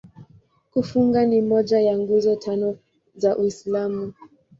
Kufunga ni moja ya Nguzo Tano za Uislamu.